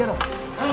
はい？